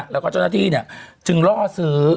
แล้วก็เจ้าหน้าที่จึงล่อซื้อ